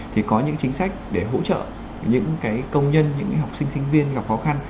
thì có những chính sách để hỗ trợ những công nhân những học sinh sinh viên gặp khó khăn